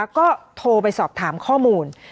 ก็โทรไปสอบถามข้อมูล